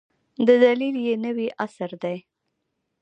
د دلیل یې نوی عصر دی.